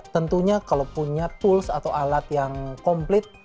tentunya kalau punya tools atau alat yang komplit